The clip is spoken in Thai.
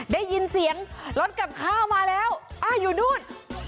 ได้ยินเสียงรถกับข้าวมาแล้วอยู่นู่น